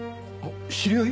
知り合い？